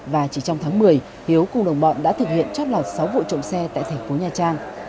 và chỉ trong tháng một mươi hiếu cùng đồng bọn đã thực hiện trót lọt sáu vụ trộm xe tại thành phố nha trang